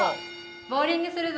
ボウリングするぞ！